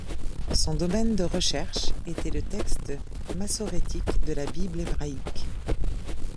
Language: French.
Son domaine de recherche était le texte massorétique de la Bible hébraïque.